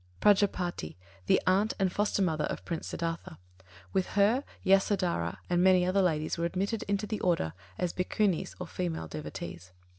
Prajāpatī, the aunt and foster mother of Prince Siddhārtha. With her, Yasodharā and many other ladies were admitted into the Order as Bhikkhunis or female devotees.